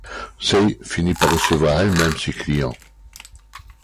Sai finit par recevoir elle-même ses clients.